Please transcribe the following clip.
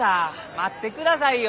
待ってくださいよ。